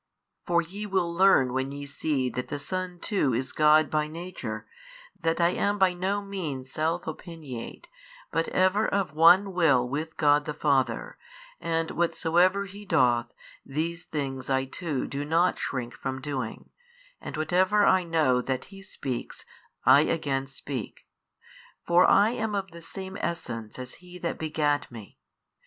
For ye will learn when ye see that the Son too is God by Nature, that I am by no means self opiniate, but ever of one Will with God the Father, and whatsoever He doth, these things I too do not shrink from doing and whatever I know that He speaks, I again speak. For I am of the Same Essence as He That begat Me.